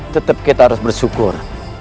tetap kita harus bersyukur